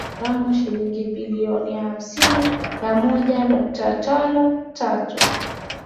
Vituo viligharimu shilingi bilioni hamsini na moja nukta tano tatu